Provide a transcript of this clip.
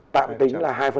tạm tính là hai